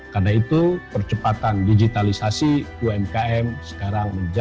karena itu percepatan digitalisasi umkm sekarang mencapai